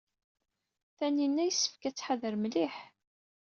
Taninna yessefk ad tḥader mliḥ.